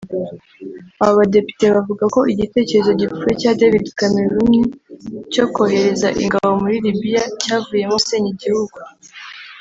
Aba badepite bavugaga ko igitekerezo gipfuye cya David Cameron cyo kohereza ingabo muri Libya cyavuyemo gusenya igihugu